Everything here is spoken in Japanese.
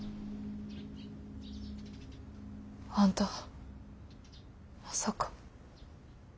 あんたまさか。